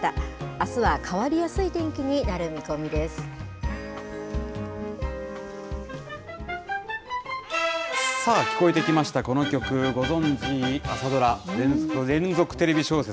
あすは変わりやすい天気になる見さあ、聞こえてきました、この曲、ご存じ、朝ドラ、連続テレビ小説